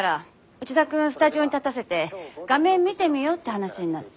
内田君スタジオに立たせて画面見てみようって話になって。